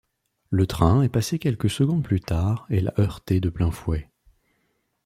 Le train est passé quelques secondes plus tard et l'a heurtée de plein fouet.